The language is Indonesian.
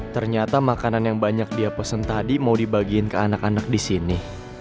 ternyata makanan yang banyak dia pesen tadi mau dibagiin ke anak anak di sini